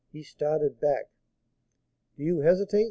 He started back. "Do you hesitate?"